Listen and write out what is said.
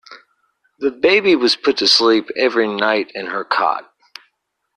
The baby was put to sleep every night in her cot